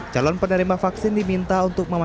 calon penerima vaksin diminta untuk memanfaatkan